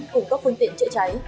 cùng các phương tiện chữa cháy